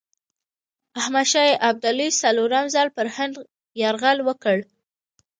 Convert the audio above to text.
احمدشاه ابدالي څلورم ځل پر هند یرغل وکړ.